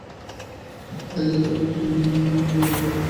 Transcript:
আজিকার দিন কি অন্য দিনেরই মতো।